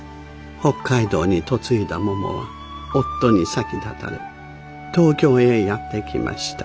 北海道に嫁いだももは夫に先立たれ東京へやって来ました。